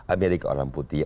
amerika orang putih